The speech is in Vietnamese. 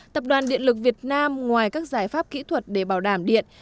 tập đoàn điện lực việt nam ngoài các giải pháp kỹ thuật để bảo đảm điện